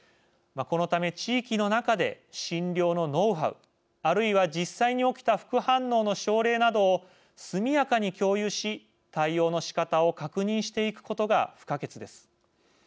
このため地域の中で診療のノウハウあるいは、実際に起きた副反応の症例などを速やかに共有し対応の仕方を確認していくことが不可欠です。